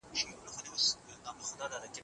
انسان خطا